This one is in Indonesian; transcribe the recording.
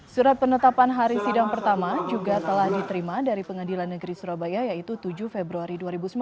surat penetapan hari sidang pertama juga telah diterima dari pengadilan negeri surabaya yaitu tujuh februari dua ribu sembilan belas